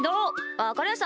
わかりました。